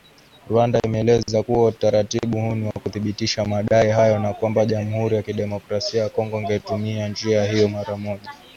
Rwanda imeeleza kuwa utaratibu huu ni wa kuthibitisha madai hayo na kwamba Jamhuri ya Kidemokrasia ya Kongo ingetumia njia hiyo mara moja